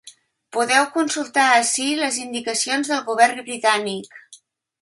Podeu consultar ací les indicacions del govern britànic.